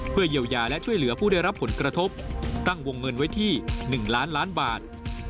เพื่อเยียวยาและช่วยเหลือผู้ได้รับผลกระทบตั้งวงเงินไว้ที่๑ล้านล้านบาท